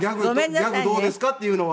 ギャグどうですかっていうのは。